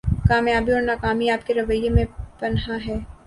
کامیابی اور ناکامی آپ کے رویہ میں پنہاں ہے